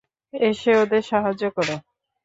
এসে ওদের সাহায্য করো।